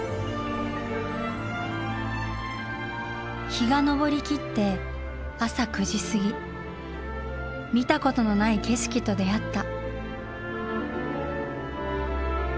日が昇り切って朝９時過ぎ見たことのない景色と出会った。